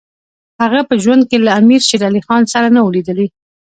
هغه په ژوند کې له امیر شېر علي خان سره نه وو لیدلي.